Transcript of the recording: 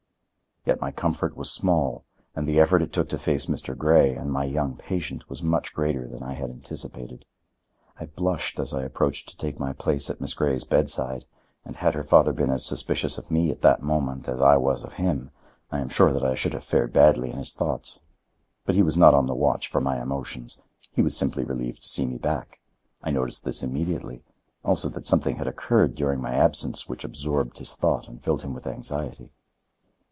Yet my comfort was small and the effort it took to face Mr. Grey and my young patient was much greater than I had anticipated. I blushed as I approached to take my place at Miss Grey's bedside, and, had her father been as suspicious of me at that moment as I was of him, I am sure that I should have fared badly in his thoughts. But he was not on the watch for my emotions. He was simply relieved to see me back. I noticed this immediately, also that something had occurred during my absence which absorbed his thought and filled him with anxiety.